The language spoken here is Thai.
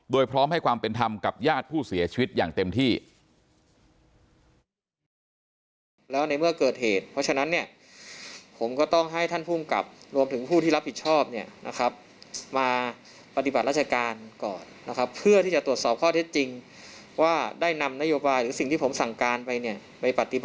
โดยพร้อมให้ความเป็นธรรมกับญาติผู้เสียชีวิตอย่างเต็มที่